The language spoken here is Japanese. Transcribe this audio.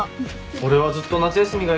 俺はずっと夏休みがいいけどな。